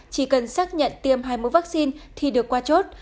chỉ cần xác nhận tiêm hai mũi vaccine thì được qua chốt